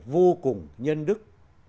vô cùng nhân đức